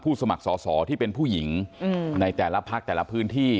สมัครสอสอที่เป็นผู้หญิงในแต่ละพักแต่ละพื้นที่